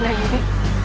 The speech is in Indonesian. lalu bagaimana ini